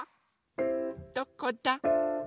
どこだ？